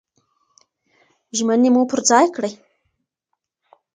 ژمني مو پر ځای کړئ.